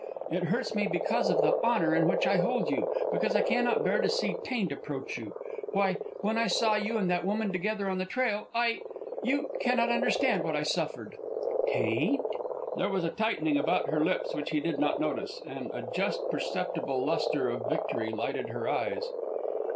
It hurts me because of the honor in which I hold you, because I cannot bear to see taint approach you. Why, when I saw you and that woman together on the trail, I you cannot understand what I suffered." "Taint?" There was a tightening about her lips which he did not notice, and a just perceptible lustre of victory lighted her eyes.